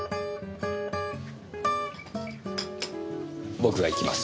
僕が行きます。